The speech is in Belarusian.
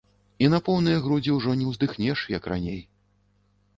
І на поўныя грудзі ужо не ўздыхнеш, як раней.